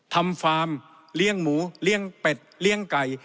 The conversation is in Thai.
ฟาร์มเลี้ยงหมูเลี้ยงเป็ดเลี้ยงไก่